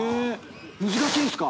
難しいんすか？